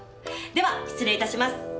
では失礼致します。